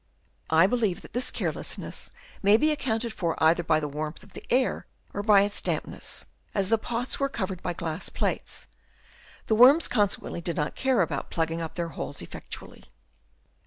I believe that this carelessness may be accounted for either by the warmth of the air, or by its dampness, as the pots were covered by glass plates ; the worms consequently did not care about plugging up their holes effectually.